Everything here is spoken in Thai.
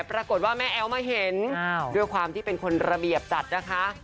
ปรากฏว่าแม่แอ๋วมาเห็นด้วยความที่เป็นคนระเบียบจัดนะคะ